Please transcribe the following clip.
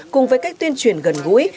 cùng với cách tuyên truyền gần gũi